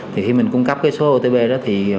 thì khi mình cung cấp cái số otp đó thì cái đối tượng